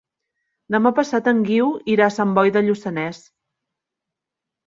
Demà passat en Guiu irà a Sant Boi de Lluçanès.